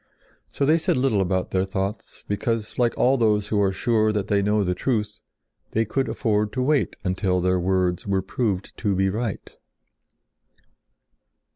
So they said little about their thoughts because, like all those who are sure that they know the truth, they could afford to wait until their words were proved to be right.